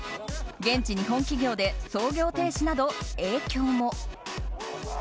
現地日本企業で操業停止など影響も。